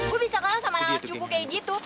gue bisa kalah sama anak cupu kayak gitu